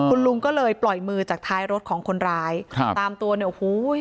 คุณลุงก็เลยปล่อยมือจากท้ายรถของคนร้ายครับตามตัวเนี่ยโอ้โห